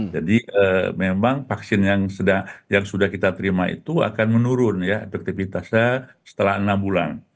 jadi memang vaksin yang sudah kita terima itu akan menurun ya efektivitasnya setelah enam bulan